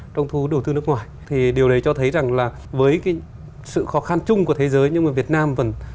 trong thu hút đầu tư nước ngoài điều này cho thấy rằng với sự khó khăn chung của thế giới nhưng mà việt nam